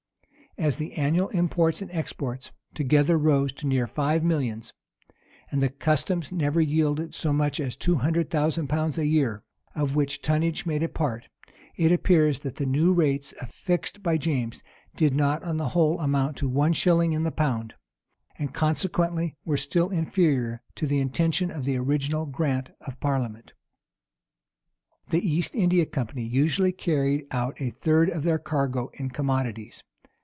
As the annual imports and exports together rose to near five millions, and the customs never yielded so much as two Hundred thousand pounds a year, of which tonnage made a part, it appears that the new rates affixed by James did not, on the whole, amount to one shilling in the pound, and consequently were still inferior to the intention of the original grant of parliament. The East India company usually carried out a third of their cargo in commodities.